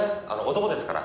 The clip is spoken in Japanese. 男ですから」